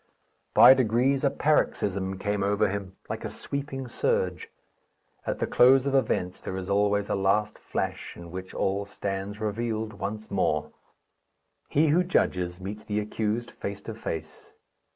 By degrees a paroxysm came over him, like a sweeping surge. At the close of events there is always a last flash, in which all stands revealed once more. He who judges meets the accused face to face.